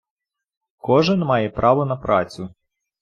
Кожен має право на працю